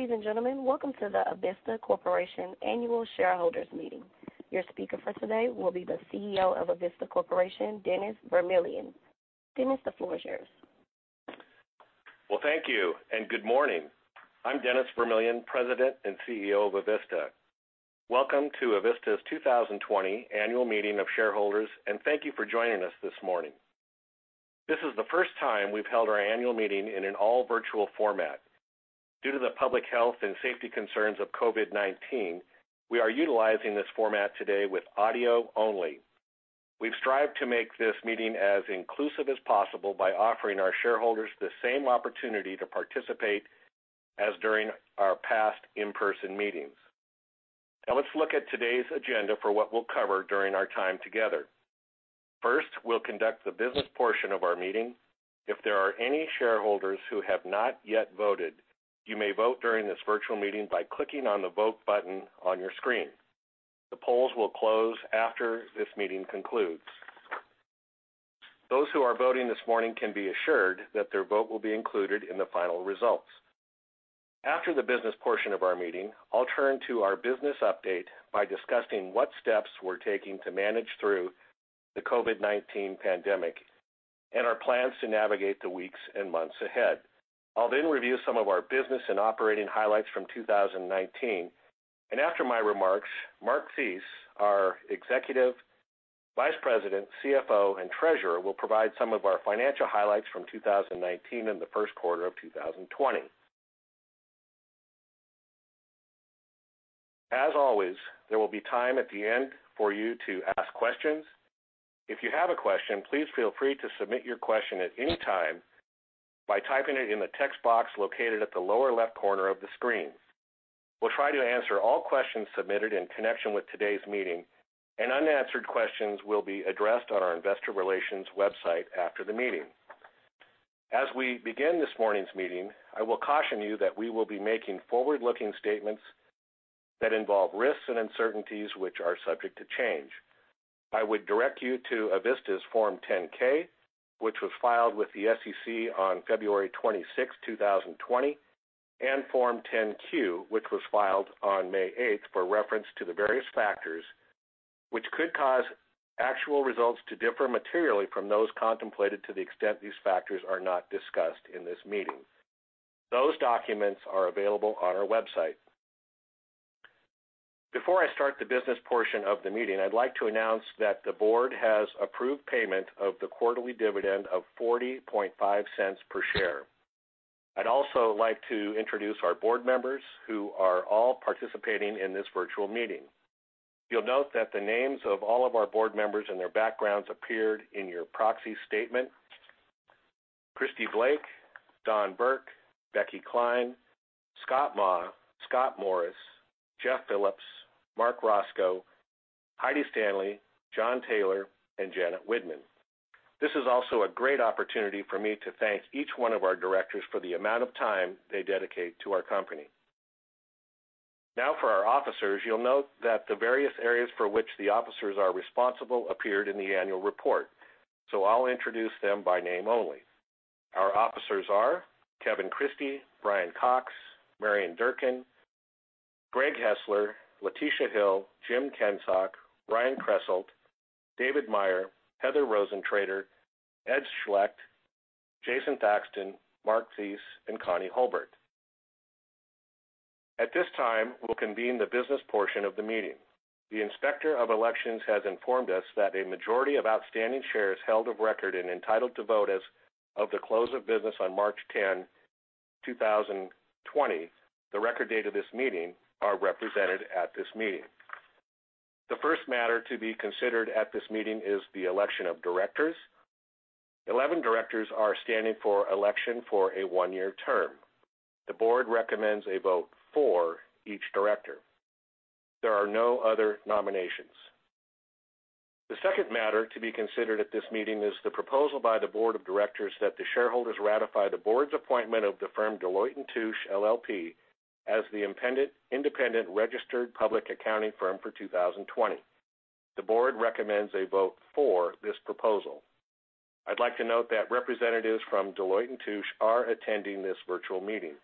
Ladies and gentlemen, welcome to the Avista Corporation Annual Shareholders Meeting. Your speaker for today will be the CEO of Avista Corporation, Dennis Vermillion. Dennis, the floor is yours. Well, thank you. Good morning. I'm Dennis Vermillion, President and CEO of Avista. Welcome to Avista's 2020 Annual Meeting of Shareholders. Thank you for joining us this morning. This is the first time we've held our annual meeting in an all virtual format. Due to the public health and safety concerns of COVID-19, we are utilizing this format today with audio only. We've strived to make this meeting as inclusive as possible by offering our shareholders the same opportunity to participate as during our past in-person meetings. Let's look at today's agenda for what we'll cover during our time together. First, we'll conduct the business portion of our meeting. If there are any shareholders who have not yet voted, you may vote during this virtual meeting by clicking on the vote button on your screen. The polls will close after this meeting concludes. Those who are voting this morning can be assured that their vote will be included in the final results. After the business portion of our meeting, I'll turn to our business update by discussing what steps we're taking to manage through the COVID-19 pandemic and our plans to navigate the weeks and months ahead. I'll then review some of our business and operating highlights from 2019. After my remarks, Mark Thies, our Executive Vice President, CFO, and Treasurer, will provide some of our financial highlights from 2019 and the first quarter of 2020. As always, there will be time at the end for you to ask questions. If you have a question, please feel free to submit your question at any time by typing it in the text box located at the lower left corner of the screen. We'll try to answer all questions submitted in connection with today's meeting, and unanswered questions will be addressed on our investor relations website after the meeting. As we begin this morning's meeting, I will caution you that we will be making forward-looking statements that involve risks and uncertainties which are subject to change. I would direct you to Avista's Form 10-K, which was filed with the SEC on February 26, 2020, and Form 10-Q, which was filed on May 8th, for reference to the various factors which could cause actual results to differ materially from those contemplated to the extent these factors are not discussed in this meeting. Those documents are available on our website. Before I start the business portion of the meeting, I'd like to announce that the board has approved payment of the quarterly dividend of $0.405 per share. I'd also like to introduce our board members who are all participating in this virtual meeting. You'll note that the names of all of our board members and their backgrounds appeared in your proxy statement. Kristi Blake, Don Burke, Becky Klein, Scott Maw, Scott Morris, Jeff Philipps, Marc Racicot, Heidi Stanley, John Taylor, and Janet Widmann. This is also a great opportunity for me to thank each one of our directors for the amount of time they dedicate to our company. Now for our officers, you'll note that the various areas for which the officers are responsible appeared in the annual report. I'll introduce them by name only. Our officers are Kevin Christie, Bryan Cox, Marian Durkin, Greg Hesler, Latisha Hill, Jim Kensok, Ryan Krasselt, David Meyer, Heather Rosentrater, Ed Schlect, Jason Thackston, Mark Thies, and Connie Hulbert. At this time, we'll convene the business portion of the meeting. The Inspector of Elections has informed us that a majority of outstanding shares held of record and entitled to vote as of the close of business on March 10, 2020, the record date of this meeting, are represented at this meeting. The first matter to be considered at this meeting is the election of directors. 11 directors are standing for election for a one-year term. The board recommends a vote for each director. There are no other nominations. The second matter to be considered at this meeting is the proposal by the board of directors that the shareholders ratify the board's appointment of the firm Deloitte & Touche LLP as the independent registered public accounting firm for 2020. The board recommends a vote for this proposal. I'd like to note that representatives from Deloitte & Touche are attending this virtual meeting.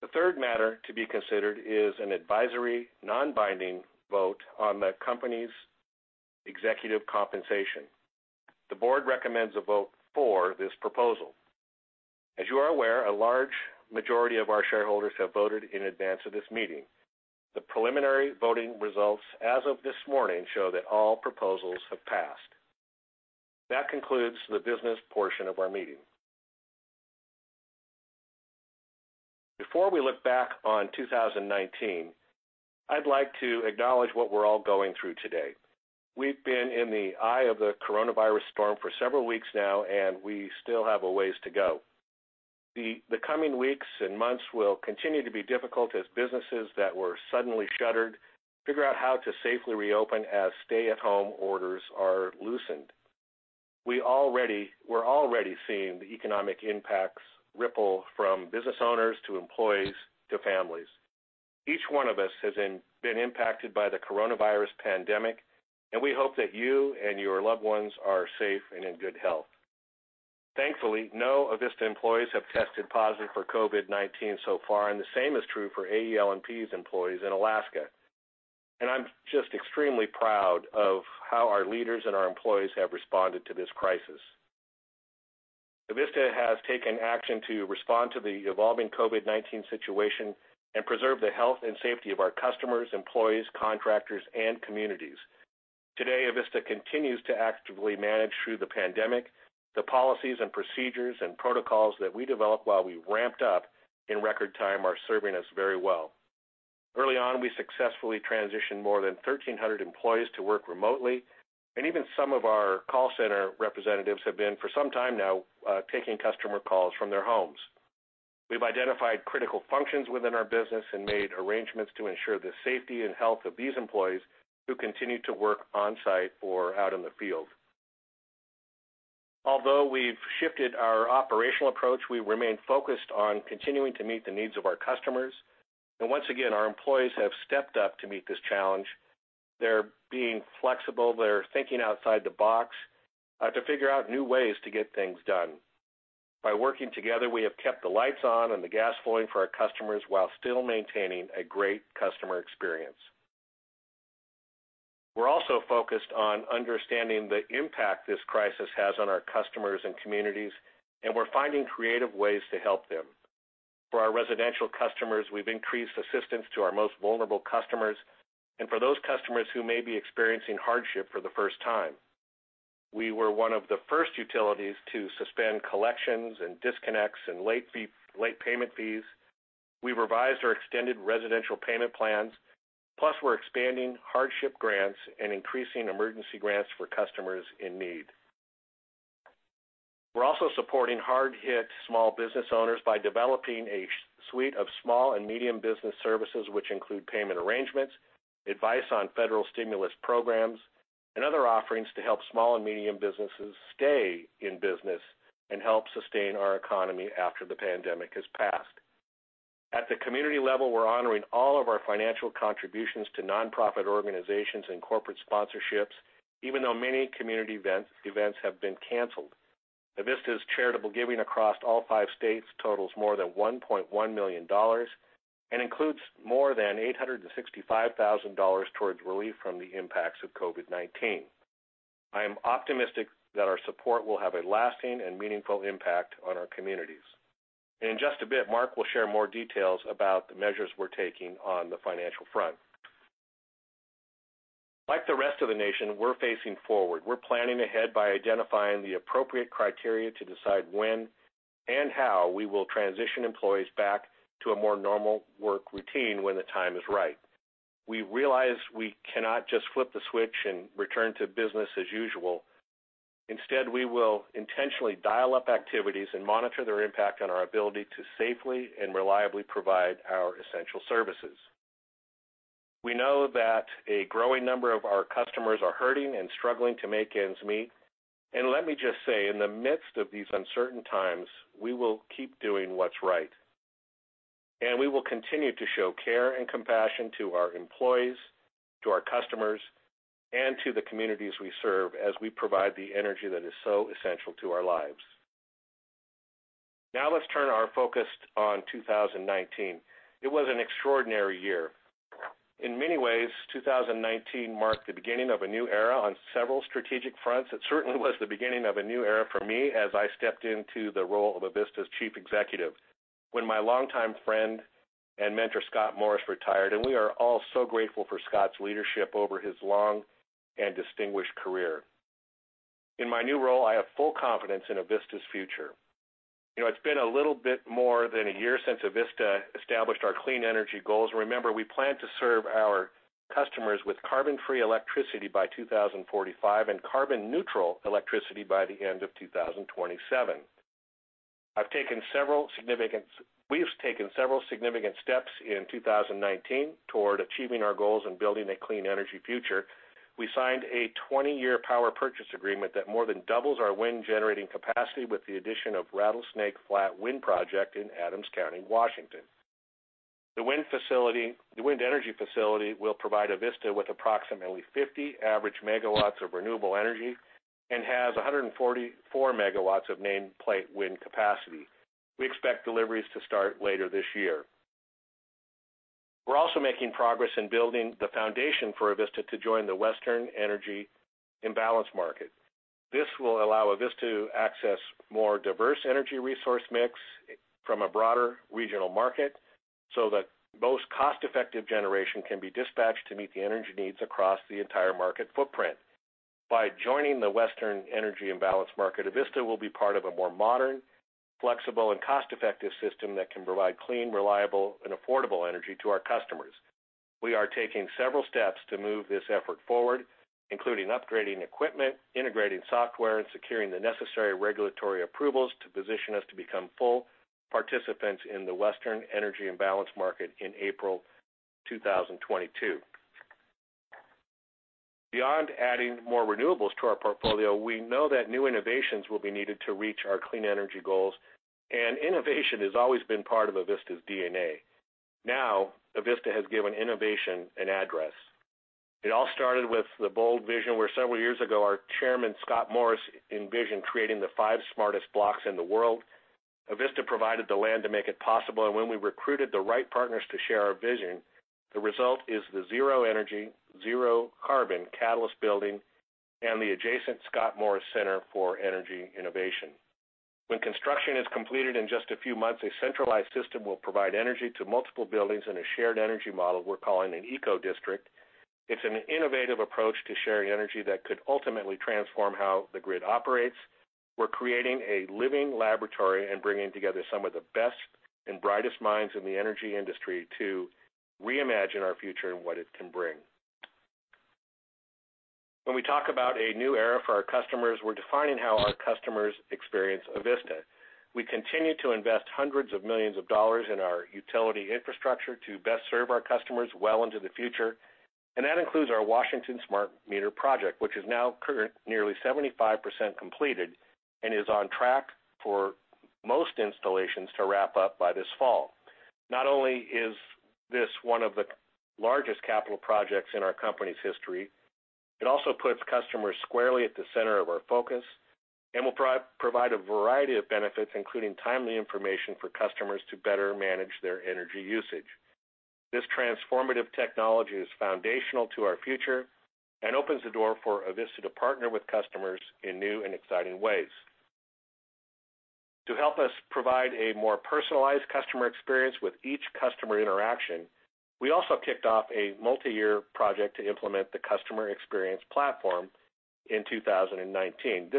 The third matter to be considered is an advisory, non-binding vote on the company's executive compensation. The board recommends a vote for this proposal. As you are aware, a large majority of our shareholders have voted in advance of this meeting. The preliminary voting results as of this morning show that all proposals have passed. That concludes the business portion of our meeting. Before we look back on 2019, I'd like to acknowledge what we're all going through today. We've been in the eye of the coronavirus storm for several weeks now, and we still have a ways to go. The coming weeks and months will continue to be difficult as businesses that were suddenly shuttered figure out how to safely reopen as stay-at-home orders are loosened. We're already seeing the economic impacts ripple from business owners to employees to families. Each one of us has been impacted by the coronavirus pandemic. We hope that you and your loved ones are safe and in good health. Thankfully, no Avista employees have tested positive for COVID-19 so far. The same is true for AEL&P's employees in Alaska. I'm just extremely proud of how our leaders and our employees have responded to this crisis. Avista has taken action to respond to the evolving COVID-19 situation and preserve the health and safety of our customers, employees, contractors, and communities. Today, Avista continues to actively manage through the pandemic. The policies and procedures and protocols that we developed while we ramped up in record time are serving us very well. Early on, we successfully transitioned more than 1,300 employees to work remotely, and even some of our call center representatives have been, for some time now, taking customer calls from their homes. We've identified critical functions within our business and made arrangements to ensure the safety and health of these employees who continue to work on-site or out in the field. Although we've shifted our operational approach, we remain focused on continuing to meet the needs of our customers. Once again, our employees have stepped up to meet this challenge. They're being flexible. They're thinking outside the box to figure out new ways to get things done. By working together, we have kept the lights on and the gas flowing for our customers while still maintaining a great customer experience. We're also focused on understanding the impact this crisis has on our customers and communities, and we're finding creative ways to help them. For our residential customers, we've increased assistance to our most vulnerable customers and for those customers who may be experiencing hardship for the first time. We were one of the first utilities to suspend collections and disconnects and late payment fees. We revised our extended residential payment plans, plus we're expanding hardship grants and increasing emergency grants for customers in need. We're also supporting hard-hit small business owners by developing a suite of small and medium business services, which include payment arrangements, advice on federal stimulus programs, and other offerings to help small and medium businesses stay in business and help sustain our economy after the pandemic has passed. At the community level, we're honoring all of our financial contributions to nonprofit organizations and corporate sponsorships, even though many community events have been canceled. Avista's charitable giving across all five states totals more than $1.1 million and includes more than $865,000 towards relief from the impacts of COVID-19. I am optimistic that our support will have a lasting and meaningful impact on our communities. In just a bit, Mark will share more details about the measures we're taking on the financial front. Like the rest of the nation, we're facing forward. We're planning ahead by identifying the appropriate criteria to decide when and how we will transition employees back to a more normal work routine when the time is right. We realize we cannot just flip the switch and return to business as usual. Instead, we will intentionally dial up activities and monitor their impact on our ability to safely and reliably provide our essential services. We know that a growing number of our customers are hurting and struggling to make ends meet. Let me just say, in the midst of these uncertain times, we will keep doing what's right, and we will continue to show care and compassion to our employees, to our customers, and to the communities we serve as we provide the energy that is so essential to our lives. Let's turn our focus on 2019. It was an extraordinary year. In many ways, 2019 marked the beginning of a new era on several strategic fronts. It certainly was the beginning of a new era for me as I stepped into the role of Avista's Chief Executive when my longtime friend and mentor, Scott Morris, retired, and we are all so grateful for Scott's leadership over his long and distinguished career. In my new role, I have full confidence in Avista's future. It's been a little bit more than a year since Avista established our clean energy goals. Remember, we plan to serve our customers with carbon-free electricity by 2045 and carbon neutral electricity by the end of 2027. We've taken several significant steps in 2019 toward achieving our goals and building a clean energy future. We signed a 20-year power purchase agreement that more than doubles our wind-generating capacity with the addition of Rattlesnake Flat Wind Project in Adams County, Washington. The wind energy facility will provide Avista with approximately 50 average megawatts of renewable energy and has 144 MW of nameplate wind capacity. We expect deliveries to start later this year. We're also making progress in building the foundation for Avista to join the Western Energy Imbalance Market. This will allow Avista to access a more diverse energy resource mix from a broader regional market so that the most cost-effective generation can be dispatched to meet the energy needs across the entire market footprint. By joining the Western Energy Imbalance Market, Avista will be part of a more modern, flexible, and cost-effective system that can provide clean, reliable, and affordable energy to our customers. We are taking several steps to move this effort forward, including upgrading equipment, integrating software, and securing the necessary regulatory approvals to position us to become full participants in the Western Energy Imbalance Market in April 2022. Beyond adding more renewables to our portfolio, we know that new innovations will be needed to reach our clean energy goals, and innovation has always been part of Avista's DNA. Now, Avista has given innovation an address. It all started with the bold vision where several years ago, our Chairman, Scott Morris, envisioned creating the five smartest blocks in the world. Avista provided the land to make it possible, and when we recruited the right partners to share our vision, the result is the zero-energy, zero-carbon Catalyst Building and the adjacent Scott Morris Center for Energy Innovation. When construction is completed in just a few months, a centralized system will provide energy to multiple buildings in a shared energy model we're calling an eco district. It's an innovative approach to sharing energy that could ultimately transform how the grid operates. We're creating a living laboratory and bringing together some of the best and brightest minds in the energy industry to reimagine our future and what it can bring. When we talk about a new era for our customers, we're defining how our customers experience Avista. We continue to invest hundreds of millions of dollars in our utility infrastructure to best serve our customers well into the future, and that includes our Washington Smart Meter Project, which is now nearly 75% completed and is on track for most installations to wrap up by this fall. Not only is this one of the largest capital projects in our company's history, it also puts customers squarely at the center of our focus and will provide a variety of benefits, including timely information for customers to better manage their energy usage. This transformative technology is foundational to our future and opens the door for Avista to partner with customers in new and exciting ways. To help us provide a more personalized customer experience with each customer interaction, we also kicked off a multi-year project to implement the customer experience platform in 2019.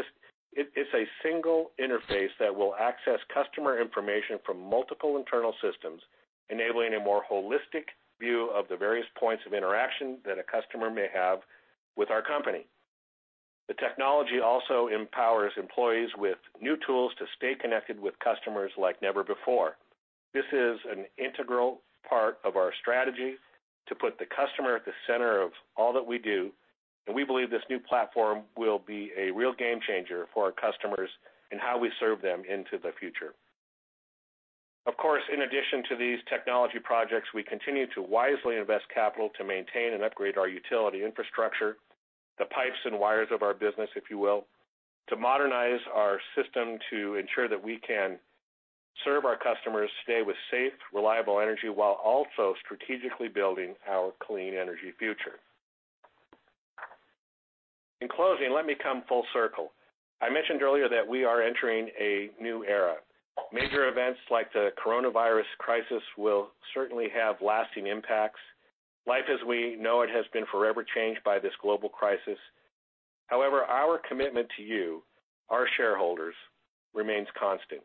It's a single interface that will access customer information from multiple internal systems, enabling a more holistic view of the various points of interaction that a customer may have with our company. The technology also empowers employees with new tools to stay connected with customers like never before. This is an integral part of our strategy to put the customer at the center of all that we do, and we believe this new platform will be a real game-changer for our customers and how we serve them into the future. Of course, in addition to these technology projects, we continue to wisely invest capital to maintain and upgrade our utility infrastructure, the pipes and wires of our business, if you will, to modernize our system to ensure that we can serve our customers today with safe, reliable energy while also strategically building our clean energy future. In closing, let me come full circle. I mentioned earlier that we are entering a new era. Major events like the coronavirus crisis will certainly have lasting impacts. Life as we know it has been forever changed by this global crisis. However, our commitment to you, our shareholders, remains constant.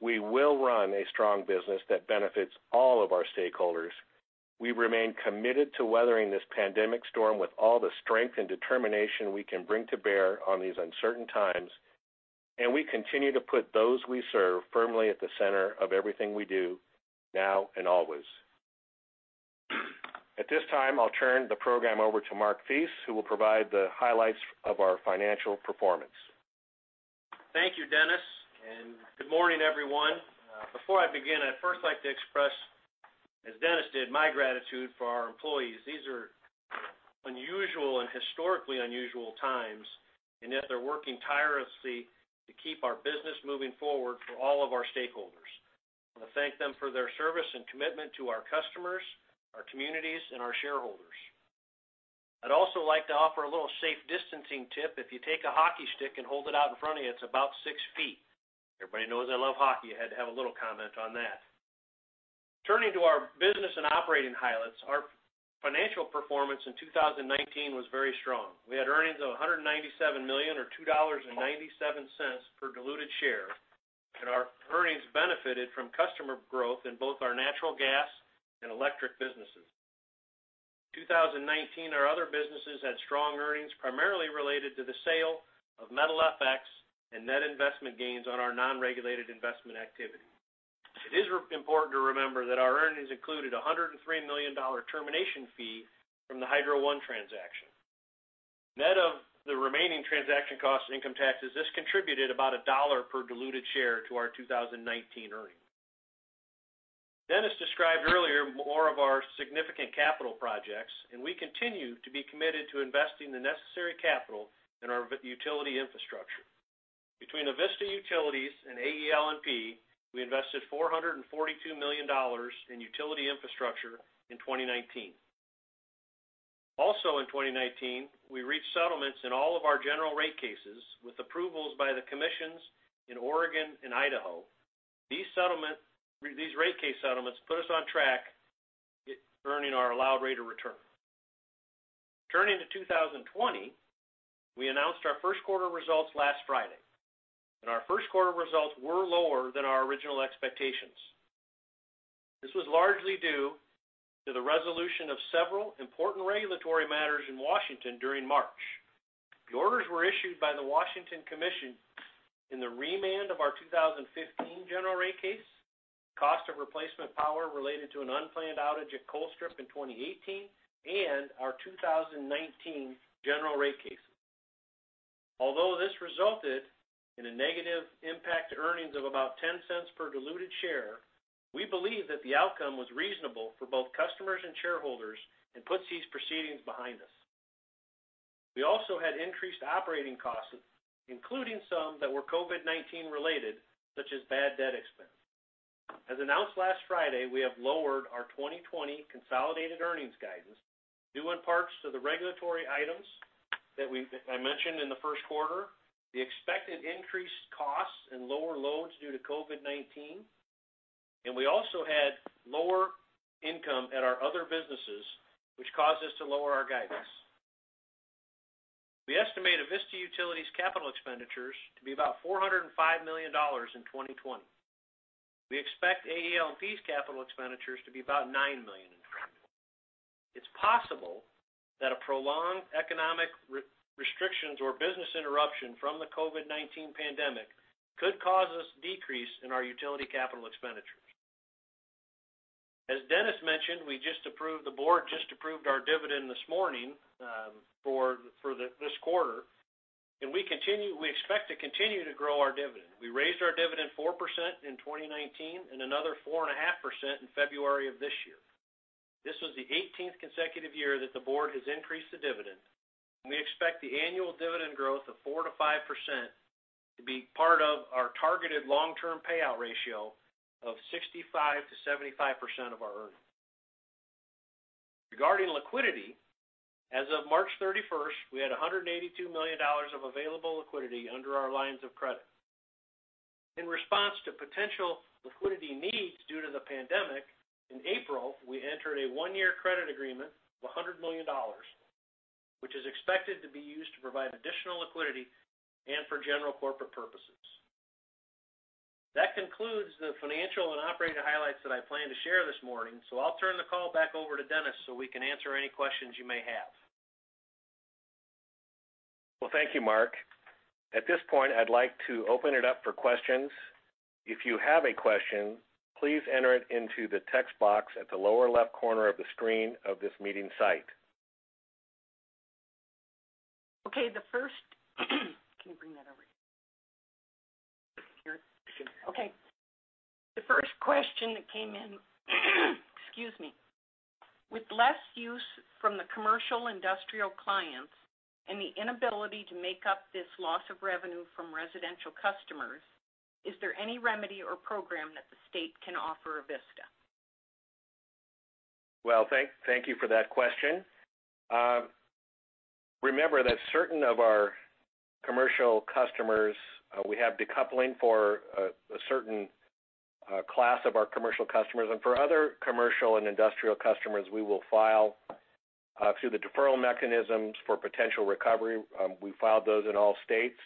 We will run a strong business that benefits all of our stakeholders. We remain committed to weathering this pandemic storm with all the strength and determination we can bring to bear on these uncertain times, and we continue to put those we serve firmly at the center of everything we do now and always. At this time, I'll turn the program over to Mark Thies, who will provide the highlights of our financial performance. Thank you, Dennis, and good morning, everyone. Before I begin, I'd first like to express, as Dennis did, my gratitude for our employees. These are unusual and historically unusual times, and yet they're working tirelessly to keep our business moving forward for all of our stakeholders. I want to thank them for their service and commitment to our customers, our communities, and our shareholders. I'd also like to offer a little safe distancing tip. If you take a hockey stick and hold it out in front of you, it's about six feet. Everybody knows I love hockey. I had to have a little comment on that. Turning to our business and operating highlights, our financial performance in 2019 was very strong. We had earnings of $197 million or $2.97 per diluted share, and our earnings benefited from customer growth in both our natural gas and electric businesses. 2019, our Other Businesses had strong earnings, primarily related to the sale of METALfx and net investment gains on our non-regulated investment activity. It is important to remember that our earnings included a $103 million termination fee from the Hydro One transaction. Net of the remaining transaction costs and income taxes, this contributed about $1 per diluted share to our 2019 earnings. Dennis described earlier more of our significant capital projects, and we continue to be committed to investing the necessary capital in our utility infrastructure. Between Avista Utilities and AEL&P, we invested $442 million in utility infrastructure in 2019. Also in 2019, we reached settlements in all of our general rate cases with approvals by the commissions in Oregon and Idaho. These rate case settlements put us on track earning our allowed rate of return. Turning to 2020, we announced our first quarter results last Friday. Our first quarter results were lower than our original expectations. This was largely due to the resolution of several important regulatory matters in Washington during March. The orders were issued by the Washington Commission in the remand of our 2015 general rate case, cost of replacement power related to an unplanned outage at Colstrip in 2018, and our 2019 general rate case. Although this resulted in a negative impact to earnings of about $0.10 per diluted share, we believe that the outcome was reasonable for both customers and shareholders and puts these proceedings behind us. We also had increased operating costs, including some that were COVID-19 related, such as bad debt expense. As announced last Friday, we have lowered our 2020 consolidated earnings guidance due in parts to the regulatory items that I mentioned in the first quarter, the expected increased costs and lower loads due to COVID-19. We also had lower income at our Other Businesses, which caused us to lower our guidance. We estimate Avista Utilities' capital expenditures to be about $405 million in 2020. We expect AEL&P's capital expenditures to be about $9 million in 2020. It's possible that a prolonged economic restrictions or business interruption from the COVID-19 pandemic could cause us decrease in our utility capital expenditures. As Dennis mentioned, the board just approved our dividend this morning for this quarter. We expect to continue to grow our dividend. We raised our dividend 4% in 2019. Another 4.5% in February of this year. This was the 18th consecutive year that the board has increased the dividend, and we expect the annual dividend growth of 4%-5% to be part of our targeted long-term payout ratio of 65%-75% of our earnings. Regarding liquidity, as of March 31st, we had $182 million of available liquidity under our lines of credit. In response to potential liquidity needs due to the pandemic, in April, we entered a one-year credit agreement of $100 million, which is expected to be used to provide additional liquidity and for general corporate purposes. That concludes the financial and operating highlights that I planned to share this morning. I'll turn the call back over to Dennis so we can answer any questions you may have. Well, thank you, Mark. At this point, I'd like to open it up for questions. If you have a question, please enter it into the text box at the lower left corner of the screen of this meeting site. Okay. The first. Can you bring that over here? Here? Sure. Okay. The first question that came in, excuse me. With less use from the commercial industrial clients and the inability to make up this loss of revenue from residential customers, is there any remedy or program that the state can offer Avista? Well, thank you for that question. Remember that certain of our commercial customers, we have decoupling for a certain class of our commercial customers. For other commercial and industrial customers, we will file through the deferral mechanisms for potential recovery. We filed those in all states,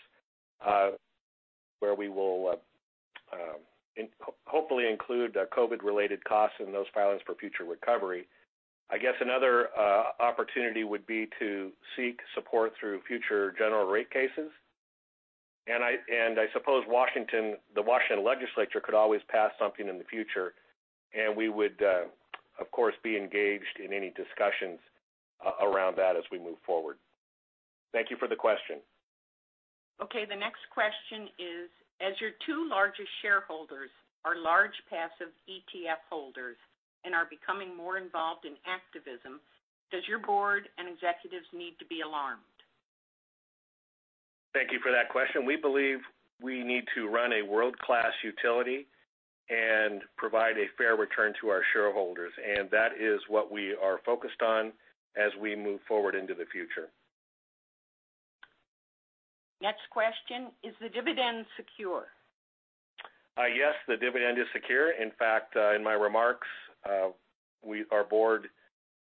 where we will hopefully include COVID-related costs in those filings for future recovery. I guess another opportunity would be to seek support through future general rate cases. I suppose the Washington Legislature could always pass something in the future, and we would, of course, be engaged in any discussions around that as we move forward. Thank you for the question. Okay, the next question is, as your two largest shareholders are large passive ETF holders and are becoming more involved in activism, does your board and executives need to be alarmed? Thank you for that question. We believe we need to run a world-class utility and provide a fair return to our shareholders, and that is what we are focused on as we move forward into the future. Next question, is the dividend secure? Yes, the dividend is secure. In fact, in my remarks, our board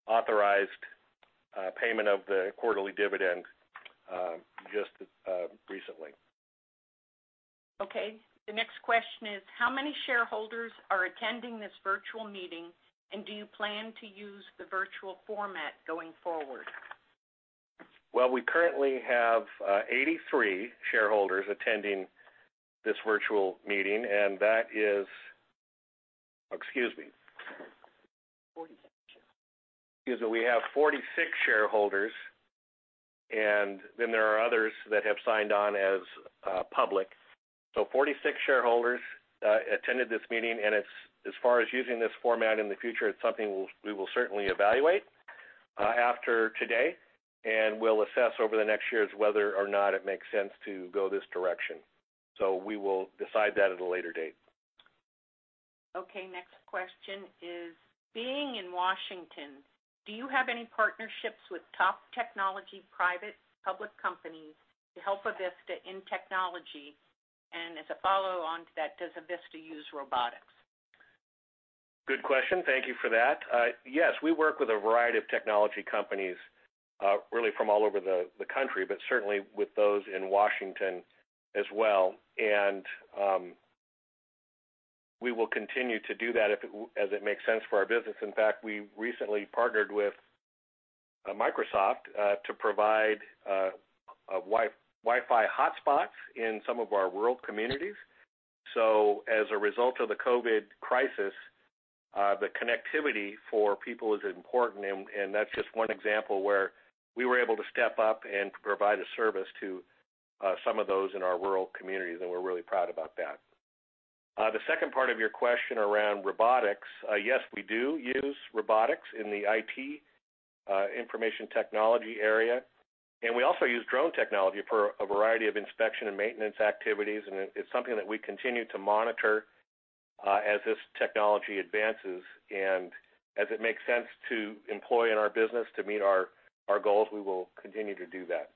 authorized payment of the quarterly dividend just recently. Okay. The next question is, how many shareholders are attending this virtual meeting, and do you plan to use the virtual format going forward? Well, we currently have 83 shareholders attending this virtual meeting. Excuse me. 46. Excuse me. We have 46 shareholders, and then there are others that have signed on as public. 46 shareholders attended this meeting, and as far as using this format in the future, it's something we will certainly evaluate after today. We'll assess over the next years whether or not it makes sense to go this direction. We will decide that at a later date. Okay, next question is, being in Washington, do you have any partnerships with top technology private public companies to help Avista in technology? As a follow-on to that, does Avista use robotics? Good question. Thank you for that. Yes, we work with a variety of technology companies really from all over the country, but certainly with those in Washington as well. We will continue to do that as it makes sense for our business. In fact, we recently partnered with Microsoft to provide Wi-Fi hotspots in some of our rural communities. As a result of the COVID-19 crisis, the connectivity for people is important, and that's just one example where we were able to step up and provide a service to some of those in our rural communities, and we're really proud about that. The second part of your question around robotics, yes, we do use robotics in the IT, information technology area, and we also use drone technology for a variety of inspection and maintenance activities, and it's something that we continue to monitor as this technology advances. As it makes sense to employ in our business to meet our goals, we will continue to do that.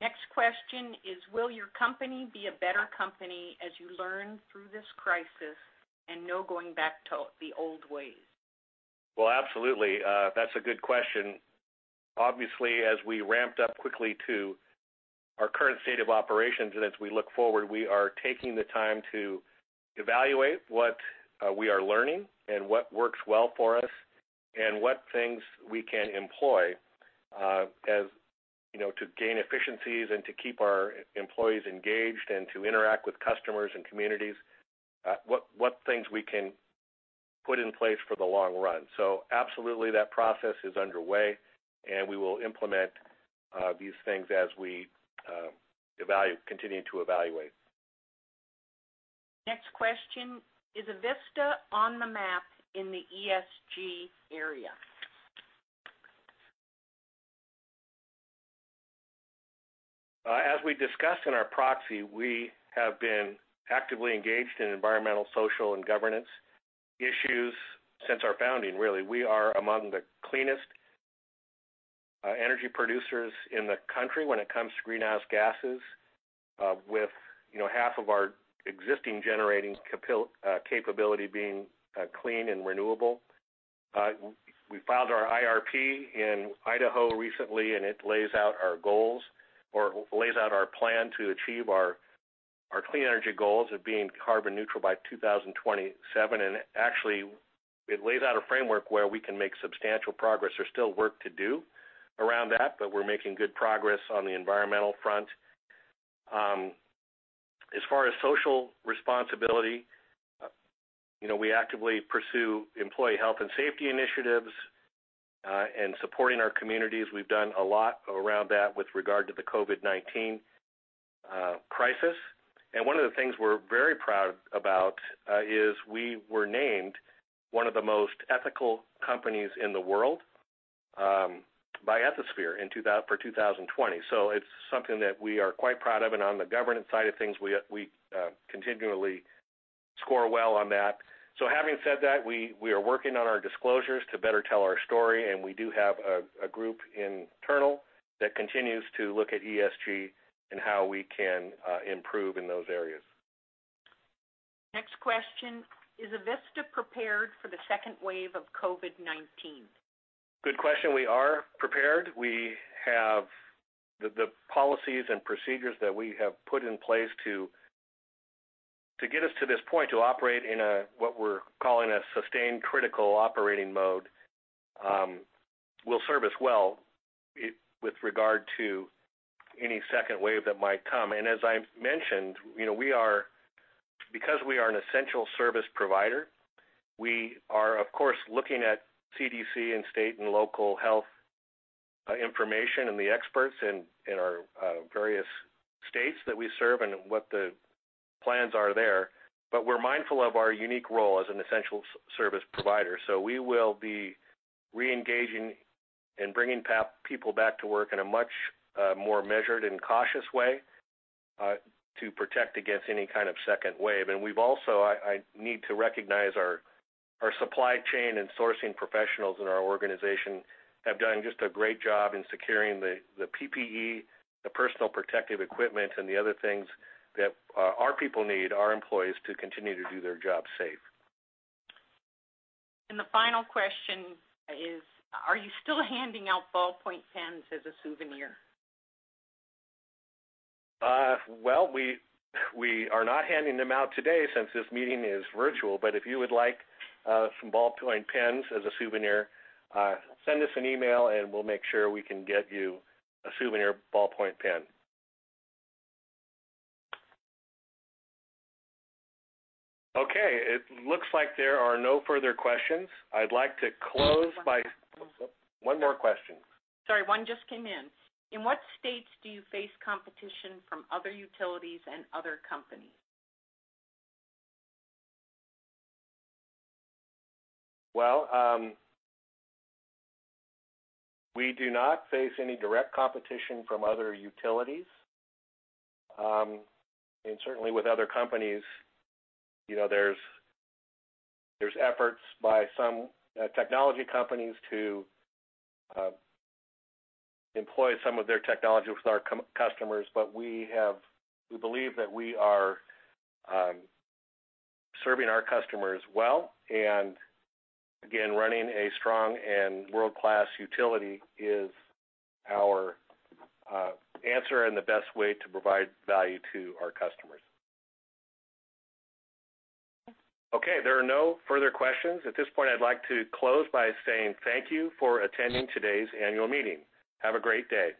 Next question is, will your company be a better company as you learn through this crisis and no going back to the old ways? Well, absolutely. That's a good question. Obviously, as we ramped up quickly to our current state of operations and as we look forward, we are taking the time to evaluate what we are learning and what works well for us and what things we can employ to gain efficiencies and to keep our employees engaged and to interact with customers and communities, what things we can put in place for the long run. Absolutely, that process is underway, and we will implement these things as we continue to evaluate. Next question, is Avista on the map in the ESG area? As we discussed in our proxy, we have been actively engaged in environmental, social, and governance issues since our founding, really. We are among the cleanest energy producers in the country when it comes to greenhouse gases, with half of our existing generating capability being clean and renewable. We filed our IRP in Idaho recently, it lays out our plan to achieve our clean energy goals of being carbon neutral by 2027. Actually, it lays out a framework where we can make substantial progress. There's still work to do around that, but we're making good progress on the environmental front. As far as social responsibility, we actively pursue employee health and safety initiatives and supporting our communities. We've done a lot around that with regard to the COVID-19 crisis. One of the things we're very proud about is we were named one of the most ethical companies in the world by Ethisphere for 2020. It's something that we are quite proud of. On the governance side of things, we continually score well on that. Having said that, we are working on our disclosures to better tell our story, and we do have a group internal that continues to look at ESG and how we can improve in those areas. Next question, is Avista prepared for the second wave of COVID-19? Good question. We are prepared. We have the policies and procedures that we have put in place to get us to this point to operate in what we're calling a sustained critical operating mode will serve us well with regard to any second wave that might come. As I mentioned, because we are an essential service provider, we are, of course, looking at CDC and state and local health information and the experts in our various states that we serve and what the plans are there. We're mindful of our unique role as an essential service provider. We will be re-engaging and bringing people back to work in a much more measured and cautious way to protect against any kind of second wave. We've also, I need to recognize our supply chain and sourcing professionals in our organization have done just a great job in securing the PPE, the personal protective equipment, and the other things that our people need, our employees, to continue to do their job safe. The final question is, are you still handing out ballpoint pens as a souvenir? Well, we are not handing them out today since this meeting is virtual. If you would like some ballpoint pens as a souvenir, send us an email, and we'll make sure we can get you a souvenir ballpoint pen. Okay, it looks like there are no further questions. I'd like to close- One more question. Sorry, one just came in. In what states do you face competition from other utilities and other companies? Well, we do not face any direct competition from other utilities. Certainly, with other companies, there's efforts by some technology companies to employ some of their technology with our customers. We believe that we are serving our customers well. Again, running a strong and world-class utility is our answer and the best way to provide value to our customers. Okay, there are no further questions. At this point, I'd like to close by saying thank you for attending today's annual meeting. Have a great day.